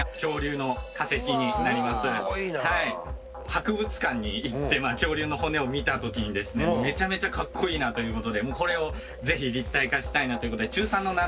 博物館に行ってまあ恐竜の骨を見た時にですねめちゃめちゃかっこいいなということでこれを是非立体化したいなということで中３の夏